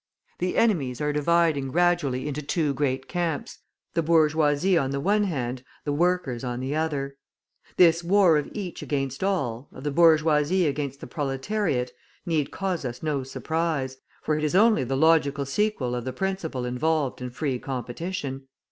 The enemies are dividing gradually into two great camps the bourgeoisie on the one hand, the workers on the other. This war of each against all, of the bourgeoisie against the proletariat, need cause us no surprise, for it is only the logical sequel of the principle involved in free competition.